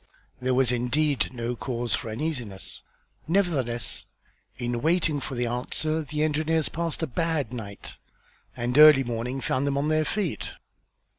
There was indeed no cause for uneasiness; nevertheless, in waiting for an answer the engineers passed a bad night, and early morning found them on their feet.